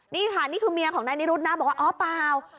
นี่ค่ะนี่คือเมียของนายนิรุธนะบอกว่าอ๋อเปล่า